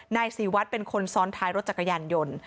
นายศรีวัดเป็นคนซ้อนท้ายรถจักรยานยนต์